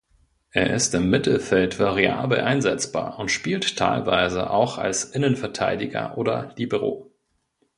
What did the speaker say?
Er ist im Mittelfeld variabel einsetzbar und spielt teilweise auch als Innenverteidiger oder Libero.